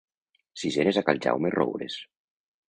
Sisenes a cal Jaume Roures.